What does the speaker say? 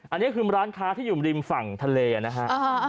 อันนี้คือร้านค้าที่อยู่ริมฝั่งทะเลนะฮะ